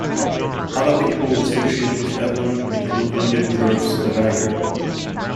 Other people associated with Ednam include William Purves, a banker.